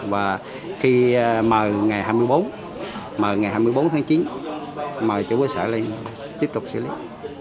và khi mời ngày hai mươi bốn mời ngày hai mươi bốn tháng chín mời chủ cơ sở ly tiếp tục xử lý